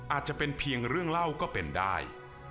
อาจจะเป็นเพียงเรื่องเล่าก็เป็นได้